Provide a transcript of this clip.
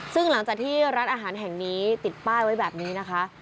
ซึ่งหลังจากที่ร้านอาหารแห่งนี้ติดป้ายไว้แบบนี้นะคะ